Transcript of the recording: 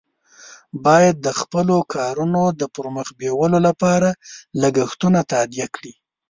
باید د خپلو کارونو د پر مخ بیولو لپاره لګښتونه تادیه کړي.